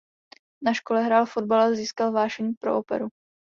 Na škole hrál fotbal a získal vášeň pro operu.